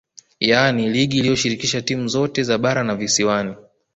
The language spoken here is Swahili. Yaani ligi iliyoshirikisha timu zote za bara na visiwani